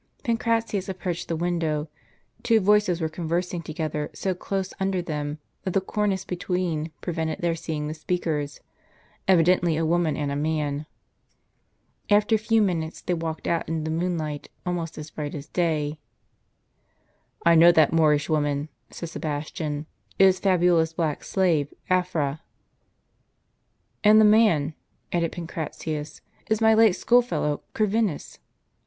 Pancratius approached the window ; two voices were con versing together so close under them that the cornice between prevented their seeing the speakers, evidently a woman and a man. After a few minutes they walked out into the moon light, almost as bright as day. ■n " I know that Moorish woman," said Sebastian ;" it is Fabiola's black slave, Afra." "And the man," added Pancratius, "is my late school fellow, Corvinus."